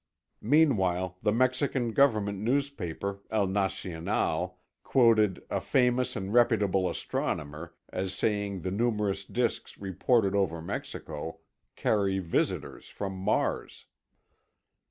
Meanwhile the Mexican government newspaper, El Nacional, quoted "a famous and reputable astronomer" as saying the numerous disks reported over Mexico "carry visitors from Mars."